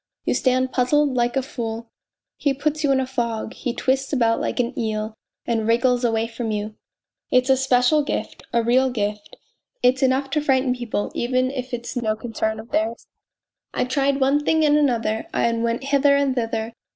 You stand puzzled like a fool he puts you in a fog, he twists about like an eel and wriggles away from you. It's a special gift, a real gift it's"enough to frighten people even if it is no concern of theirs. I tried one thing and another, and went hither and thither.